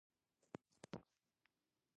یا دا چې دا حالت کرار کرار رامینځته شوی دی